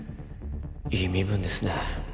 いい身分ですね